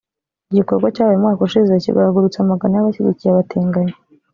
igikorwa cyabaye umwaka ushize kigahagurutsa amagana y’abashyigikiye abatinganyi